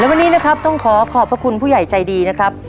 วันนี้นะครับต้องขอขอบพระคุณผู้ใหญ่ใจดีนะครับ